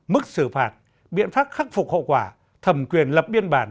mức xử phạt biện pháp khắc phục hậu quả thẩm quyền lập biên bản